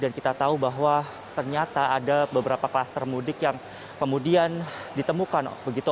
dan kita tahu bahwa ternyata ada beberapa kluster mudik yang kemudian ditemukan begitu